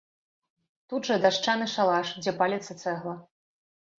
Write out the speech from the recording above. Тут жа дашчаны шалаш, дзе паліцца цэгла.